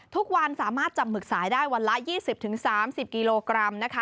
ทุกวันสามารถจับหมึกสายได้วันละ๒๐๓๐กิโลกรัมนะคะ